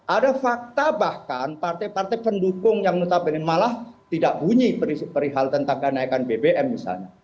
ada fakta bahkan partai partai pendukung yang notabene malah tidak bunyi perihal tentang kenaikan bbm misalnya